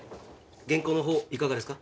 原稿のほういかがですか？